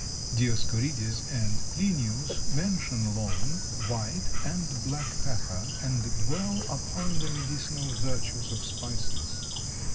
Dioscorides and Plinius mention long, white and black pepper and dwell upon the medicinal virtues of spices.